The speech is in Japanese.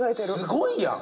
すごいやん！